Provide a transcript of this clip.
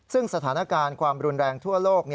ซึ่งสถานการณ์ความรุนแรงทั่วโลก